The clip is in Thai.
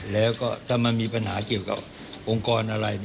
แล้วก็ถ้ามันมีปัญหาเกี่ยวกับองค์กรอะไร